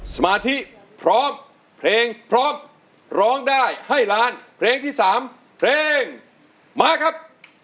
สมาธิพร้อมเพลงพร้อมร้องได้ให้ล้านเพลงที่๓เพลงมาครับ